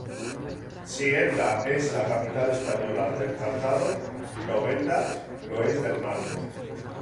Si Elda es la capital española del calzado, Novelda lo es del mármol.